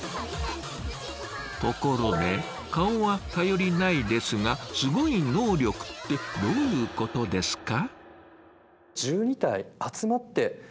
ところで「顔は頼りないですがすごい能力」ってどういうことですか？